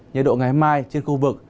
nhiệt độ ngày mai trên khu vực